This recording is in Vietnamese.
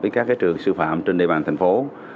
với các trường sư phạm trên địa bàn thành phố